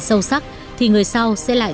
sâu sắc thì người sau sẽ lại